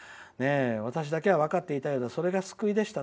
「私だけは分かっていたようでそれが救いでした。